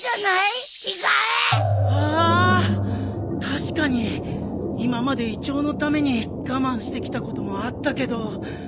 確かに今まで胃腸のために我慢してきたこともあったけど。